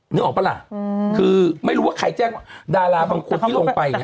นึกออกปะล่ะอืมคือไม่รู้ว่าใครแจ้งดาราบางคนที่ลงไปเนี่ย